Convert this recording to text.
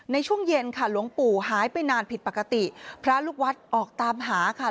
ในช่วงเย็นค่ะหลวงปู่หายไปนานผิดปกติพระลูกวัดออกตามหาค่ะ